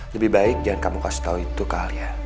lebih baik jangan kamu kasih tau itu ke alia